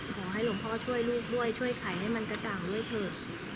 ขอให้หลวงพ่อช่วยลูกด้วยช่วยไขให้มันกระจ่างด้วยเถอะ